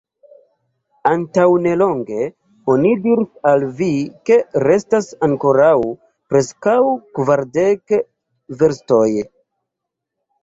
Antaŭnelonge oni diris al vi, ke restas ankoraŭ preskaŭ kvardek verstoj.